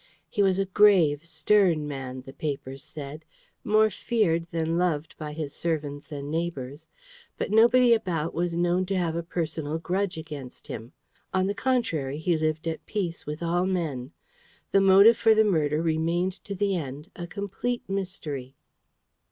He was a grave, stern man, the papers said, more feared than loved by his servants and neighbours; but nobody about was known to have a personal grudge against him. On the contrary, he lived at peace with all men. The motive for the murder remained to the end a complete mystery.